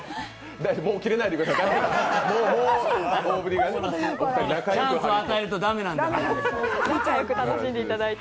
もうキレないでください。